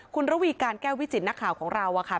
คุณระวีการแก้ววิจิตนักข่าวของเราอะค่ะ